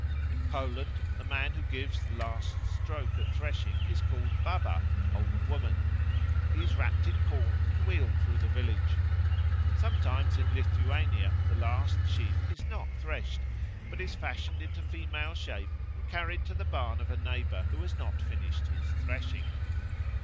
In Poland the man who gives the last stroke at threshing is called Baba (Old Woman); he is wrapt in corn and wheeled through the village. Sometimes in Lithuania the last sheaf is not threshed, but is fashioned into female shape and carried to the barn of a neighbour who has not finished his threshing.